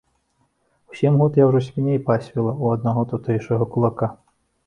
У сем год я ўжо свіней пасвіла ў аднаго тутэйшага кулака.